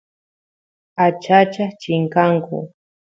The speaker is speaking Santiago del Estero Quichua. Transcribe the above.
achachas chinkanku